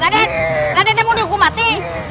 raden raden kamu dihukum mati